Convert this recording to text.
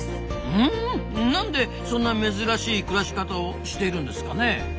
うん何でそんな珍しい暮らし方をしてるんですかね？